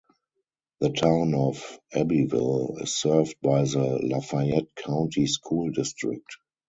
The Town of Abbeville is served by the Lafayette County School District.